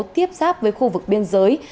tiếp xác với khu vực biên giới